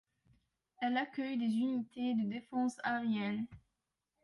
Elle accueille des unités de défense aérienne.